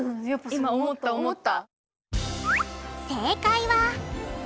今思った思った。